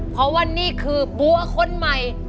เพราะว่านี่คือบัวคนใหม่